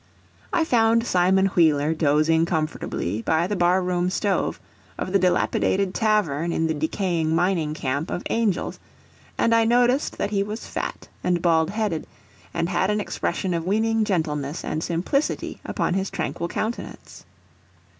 I found Simon Wheeler dozing comfortably by the bar room stove of the dilapidated tavern in the decayed mining camp of Angel's, and I noticed that he was fat and bald headed, and had an expression of winning gentleness and simplicity upon his tranquil countenance.